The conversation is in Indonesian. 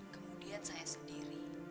kemudian saya sendiri